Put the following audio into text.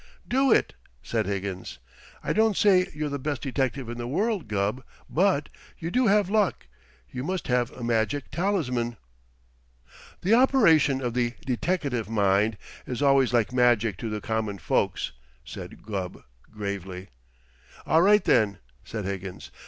"Do it!" said Higgins. "I don't say you're the best detective in the world, Gubb, but you do have luck. You must have a magic talisman." "The operation of the deteckative mind is always like magic to the common folks," said Gubb gravely. "All right, then," said Higgins.